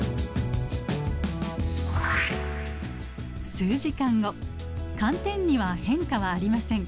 数時間後寒天には変化はありません。